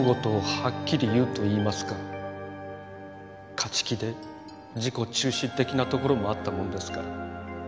勝ち気で自己中心的なところもあったものですから。